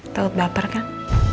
takut baper kan